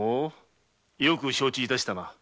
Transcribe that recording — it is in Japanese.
よく承知したな。